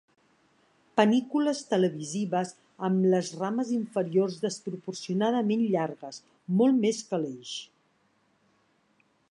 Panícules televisives amb les rames inferiors desproporcionadament llargues, molt més que l'eix.